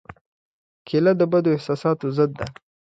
کېله د بدو احساساتو ضد ده.